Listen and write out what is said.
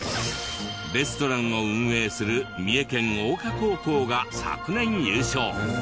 レストランを運営する三重県相可高校が昨年優勝。